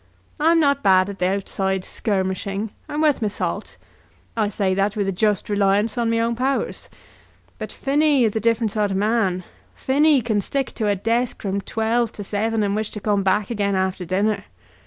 I'm not bad at the outside skirmishing. I'm worth me salt. I say that with a just reliance on me own powers. But Phinny is a different sort of man. Phinny can stick to a desk from twelve to seven, and wish to come back again after dinner.